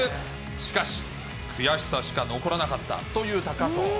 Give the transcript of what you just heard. しかし、悔しさしか残らなかったと言う高藤。